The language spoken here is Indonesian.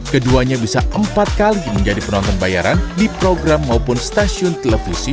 keduanya bisa empat kali menjadi penonton bayaran di program maupun stasiun televisi